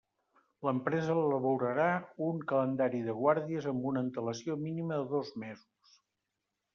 L'empresa elaborarà un calendari de guàrdies amb una antelació mínima de dos mesos.